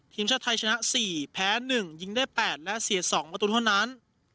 ทีมชาติไทยชนะสี่แพ้หนึ่งยิงได้แปดและเสียสองมาตัวเท่านั้น